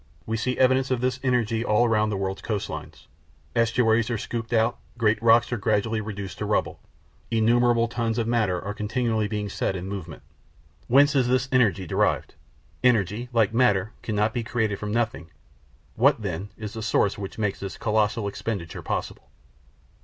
We see evidences of this energy all round the word's coastlines. Estuaries are scooped out, great rocks are gradually reduced to rubble, innumerable tons of matter are continually being set in movement. Whence is this energy derived? Energy, like matter, cannot be created from nothing; what, then, is the source which makes this colossal expenditure possible.